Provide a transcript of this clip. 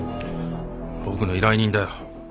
僕の依頼人だよ。